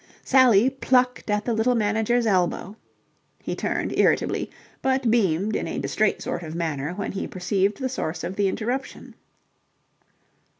Sally plucked at the little manager's elbow. He turned irritably, but beamed in a distrait sort of manner when he perceived the source of the interruption.